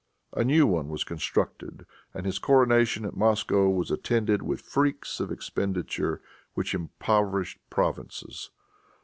A new one was constructed, and his coronation at Moscow was attended with freaks of expenditure which impoverished provinces.